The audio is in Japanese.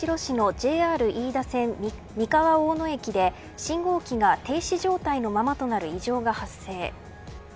おととい、愛知県しんしろ市のＪＲ飯田線３日は三河大野駅で信号機が停止状態のままとなる異常が発生。